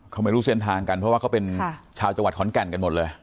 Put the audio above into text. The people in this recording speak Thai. เขาไม่รู้เส้นทางกันเพราะว่าเขาเป็นชาวจังหวัดขอนแก่นกันหมดเลย